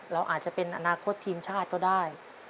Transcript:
เราอาจจะเป็นอนาคตทีมชาติก็ได้